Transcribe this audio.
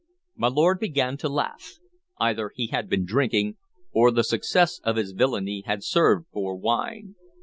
My lord began to laugh. Either he had been drinking, or the success of his villainy had served for wine.